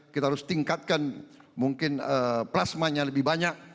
kita harus tingkatkan mungkin plasmanya lebih banyak